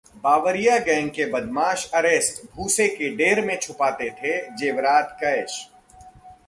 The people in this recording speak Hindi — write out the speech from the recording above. बावरिया गैंग के बदमाश अरेस्ट, भूसे के ढेर में छुपाते थे जेवरात-कैश